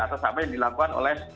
atas apa yang dilakukan oleh